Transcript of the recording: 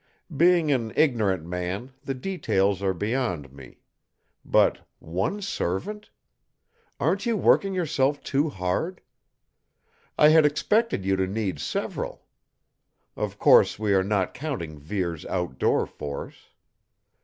Being an ignorant man, the details are beyond me. But one servant? Aren't you working yourself too hard? I had expected you to need several. Of course, we are not counting Vere's outdoor force."